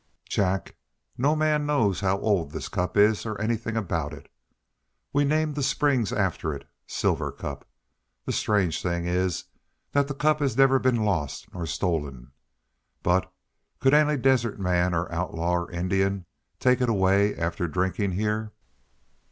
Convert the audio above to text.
"Jack, no man knows how old this cup is, or anything about it. We named the spring after it Silver Cup. The strange thing is that the cup has never been lost nor stolen. But could any desert man, or outlaw, or Indian, take it away, after drinking here?"